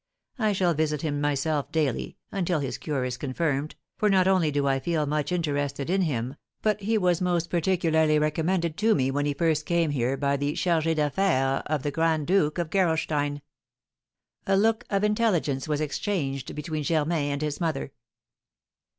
I shall visit him myself daily, until his cure is confirmed, for not only do I feel much interested in him, but he was most particularly recommended to me when he first came here by the chargé d'affaires of the Grand Duke of Gerolstein." A look of intelligence was exchanged between Germain and his mother.